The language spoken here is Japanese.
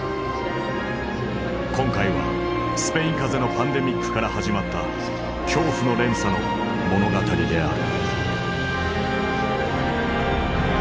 今回はスペイン風邪のパンデミックから始まった恐怖の連鎖の物語である。